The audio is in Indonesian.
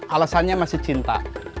alasannya masih cinta